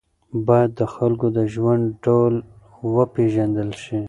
باید د خلکو د ژوند ډول وپېژندل شي.